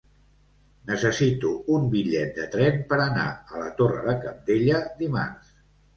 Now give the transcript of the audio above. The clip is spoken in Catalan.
Necessito un bitllet de tren per anar a la Torre de Cabdella dimarts.